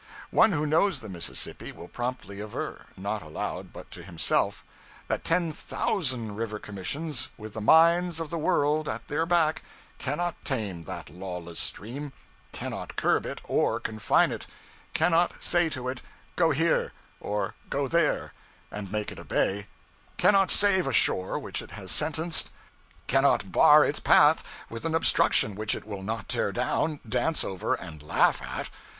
One who knows the Mississippi will promptly aver not aloud, but to himself that ten thousand River Commissions, with the mines of the world at their back, cannot tame that lawless stream, cannot curb it or confine it, cannot say to it, Go here, or Go there, and make it obey; cannot save a shore which it has sentenced; cannot bar its path with an obstruction which it will not tear down, dance over, and laugh at.